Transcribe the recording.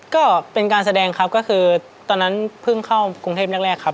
ก็เป็นการแสดงครับก็คือตอนนั้นเพิ่งเข้ากรุงเทพแรกครับ